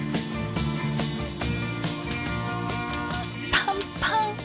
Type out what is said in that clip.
パンパン！